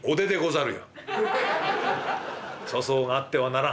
「粗相があってはならん」。